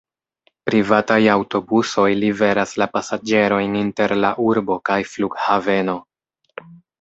Privataj aŭtobusoj liveras la pasaĝerojn inter la urbo kaj flughaveno.